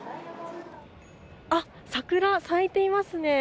桜、咲いていますね。